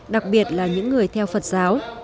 đặc biệt là những người theo phật giáo